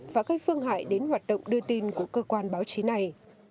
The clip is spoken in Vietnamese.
và gây phương hại đến hoạt động đưa tin của cơ quan báo chí này